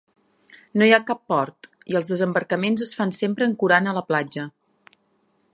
No hi ha cap port, i els desembarcaments es fan sempre ancorant a la platja.